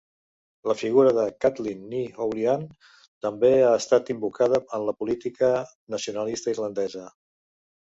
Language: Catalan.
La figura de Kathleen Ni Houlihan també ha estat invocada en la política nacionalista irlandesa.